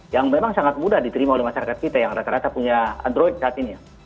yang memang sangat mudah diterima oleh masyarakat kita yang rata rata punya android saat ini ya